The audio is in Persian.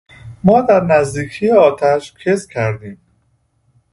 ما در نزدیکی آتش کز کردیم.